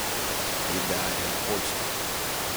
He died in Portsmouth.